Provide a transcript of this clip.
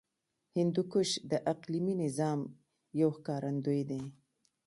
هندوکش د اقلیمي نظام یو ښکارندوی دی.